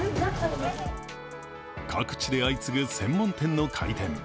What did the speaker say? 各地で相次ぐ専門店の開店。